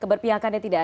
keberpihakannya tidak ada